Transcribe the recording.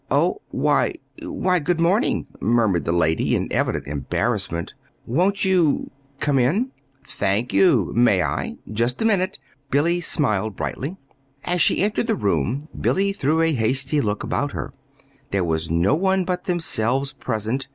"Oh! Why why, good morning," murmured the lady, in evident embarrassment. "Won't you come m?" "Thank you. May I? just a minute?" smiled Billy, brightly. As she entered the room, Billy threw a hasty look about her. There was no one but themselves present.